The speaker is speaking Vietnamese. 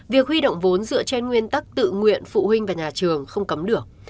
việc huy động vốn dựa trên nguyên tắc tự nguyện phụ huynh và nhà trường không cấm được